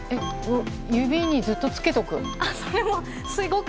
指にずっとつけとく。